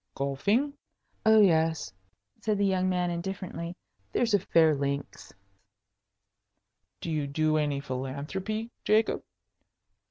"Golfing?" "Oh yes," said the young man, indifferently. "There's a fair links." "Do you do any philanthropy, Jacob?"